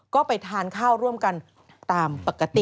ก็ไปทานข้าวร่วมกันตามปกติ